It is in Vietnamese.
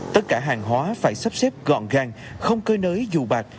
tất cả hàng hóa phải sắp xếp gọn gàng không cơ nới dù bạc